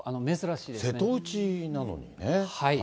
瀬戸内なのにね。